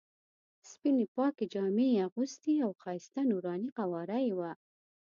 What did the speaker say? سپینې پاکې جامې یې اغوستې او ښایسته نوراني قواره یې وه.